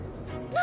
何？